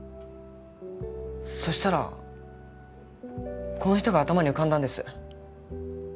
そしたらこの人が頭に浮かんだんです。